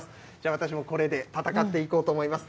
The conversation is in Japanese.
私もこれで戦っていこうと思います。